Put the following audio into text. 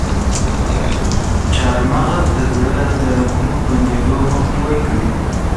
چارمغز د زړه د رګونو بندیدو مخنیوی کوي.